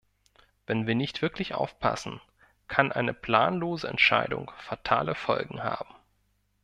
Wenn wir nicht wirklich aufpassen, kann eine planlose Entscheidung fatale Folgen haben.